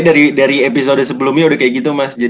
dari episode sebelumnya udah kayak gitu mas